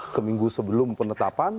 seminggu sebelum penetapan